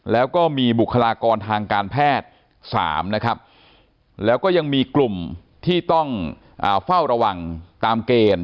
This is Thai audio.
แล้วก็มีบุคลากรทางการแพทย์๓นะครับแล้วก็ยังมีกลุ่มที่ต้องเฝ้าระวังตามเกณฑ์